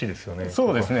そうですね。